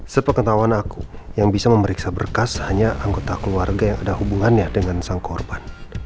sepengetahuan aku yang bisa memeriksa berkas hanya anggota keluarga yang ada hubungannya dengan sang korban